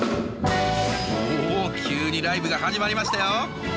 おお急にライブが始まりましたよ。